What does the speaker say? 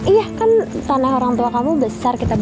nanti kita abisin sampe belakang